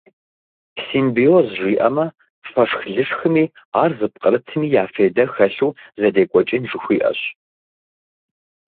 Симбиоз жиӏэмэ, фэшх-лышхми ар зыпкърытми я фейдэ хэлъу зэдекӏуэкӏын жыхуиӏэщ.